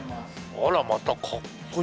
あらまたかっこいいね。